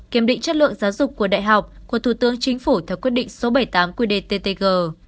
kiểm định chất lượng giáo dục của đại học của thủ tướng chính phủ theo quyết định số bảy mươi tám quy đề ttg